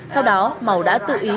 sau đó màu đã tự ý